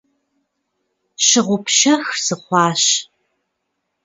Щыгъупщэх сыхъуащ.